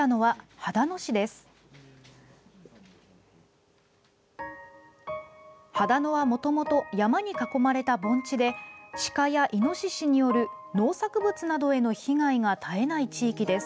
秦野は、もともと山に囲まれた盆地でシカやイノシシによる農作物などへの被害が絶えない地域です。